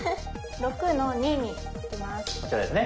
６の二に置きます。